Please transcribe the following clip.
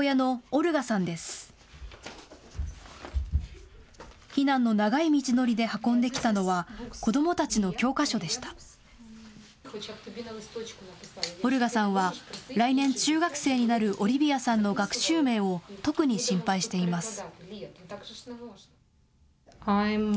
オルガさんは来年中学生になるオリビアさんの学習面を特に心配しています。